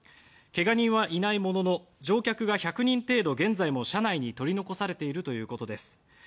けが人はいないものの乗客が１００人程度、現在も車内に取り残されているということです。